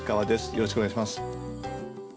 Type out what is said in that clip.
よろしくお願いします。